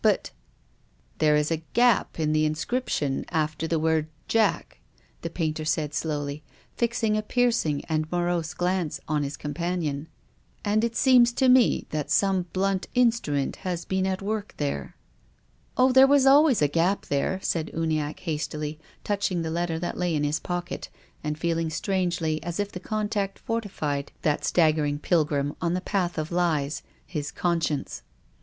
But—" " There is a gap in the inscription after the word * Jack,' " the painter said slowly, fixing a piercing and morose glance on his companion. *' And it seems to me that some blunt instrument has been at work there." " Oh, there was always a gap there," said Uni acke hastily, touching the letter that lay in his pocket, and feeling, strangely, as if the contact fortified that staggering pilgrim on the path of lies — his conscience.